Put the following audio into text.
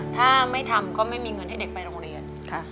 ถ้าไม่ทำก็ไม่มีเงินให้เด็กไปโรงเรียน